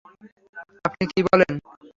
আপনি কী বলেন?